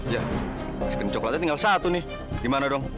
ya es krim coklatnya tinggal satu nih gimana dong